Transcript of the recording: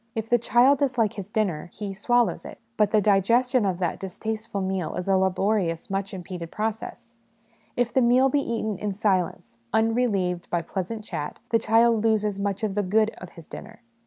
If the child dislike his dinner, he swallows it, but the digestion of that distasteful meal is a laborious, much impeded process : if the meal be eaten in silence, unrelieved by pleasant chat, the child loses much of the 'good' of his dinner.